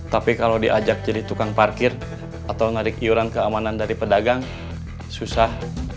tapi kalau diajak jadi tukang parkir atau narik iuran keamanan dari pedagang susah